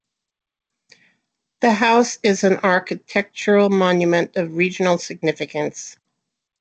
The house is an architectural monument of regional significance.